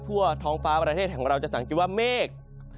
ทั่วท้องฟ้าประเทศของเราจะสังเกตว่าเมฆ